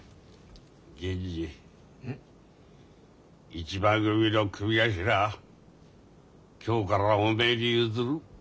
一番組の組頭今日からおめえに譲る。